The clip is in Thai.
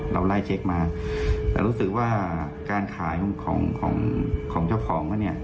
เราไล่เช็คมาแต่รู้สึกว่าการขายของของเจ้าของเขาเนี่ย